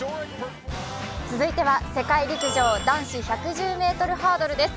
続いては世界陸上、男子１１０ｍハードルです。